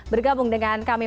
bergabung dengan kami